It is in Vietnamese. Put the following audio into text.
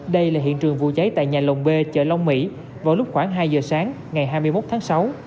đây là hiện trường vụ cháy tại nhà lồng b chợ long mỹ vào lúc khoảng hai giờ sáng ngày hai mươi một tháng sáu